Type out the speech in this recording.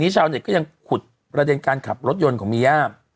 ชาวเน็ตก็ยังขุดประเด็นการขับรถยนต์ของมีย่า